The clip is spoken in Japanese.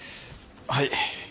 はい。